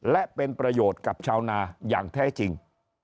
และเป็นประโยชน์กับชาวนาอย่างแท้จริง